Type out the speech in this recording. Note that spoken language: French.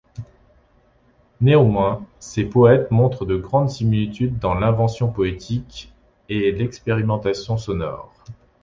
Néanmoins, ces poètes montrent de grandes similitudes dans l’invention poétique et l’expérimentation sonore.